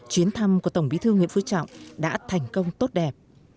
chuyến thăm của tổng bí thư nguyễn phú trọng đã thành công tốt đẹp